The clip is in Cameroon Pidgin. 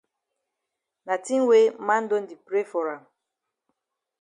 Na tin way man don di pray for am.